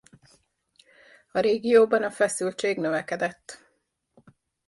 A régióban a feszültség növekedett.